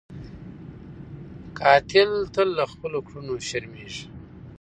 قاتل تل له خپلو کړنو شرمېږي